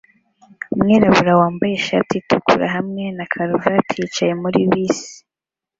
umwirabura wambaye ishati itukura hamwe na karuvati yicaye muri bisi